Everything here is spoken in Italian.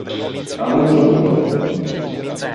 A muso duro